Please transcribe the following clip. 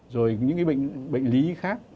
rồi những bệnh lý khác